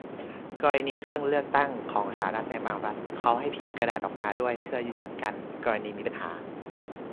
กรณีเครื่องเลือกตั้งของสหรัฐ ในบางรัฐ เขาให้พิมพ์กระดาษออกมาด้วย เพื่อยันกัน กรณีมีปัญหา